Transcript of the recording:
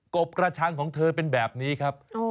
บกระชังของเธอเป็นแบบนี้ครับ